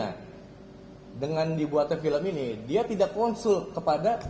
karena dengan dibuatnya film ini dia tidak konsul kepada